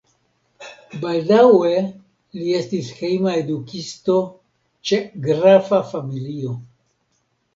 Baldaŭe li estis hejma edukisto ĉe grafa familio.